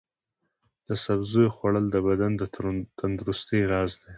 د سبزیو خوړل د بدن د تندرستۍ راز دی.